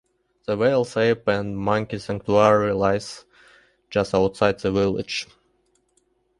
The Wales Ape and Monkey Sanctuary lies just outside the village.